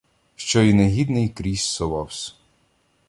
Що і негідний скрізь совавсь.